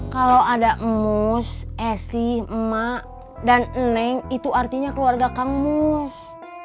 kalau ada mus eh sih emak dan neng itu artinya keluarga kang mus